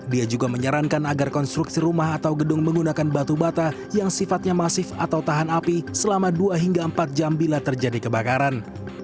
dia juga menyarankan agar konstruksi rumah atau gedung menggunakan batu bata yang sifatnya masif atau tahan api selama dua hingga empat jam bila terjadi kebakaran